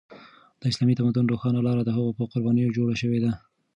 د اسلامي تمدن روښانه لاره د هغوی په قربانیو جوړه شوې ده.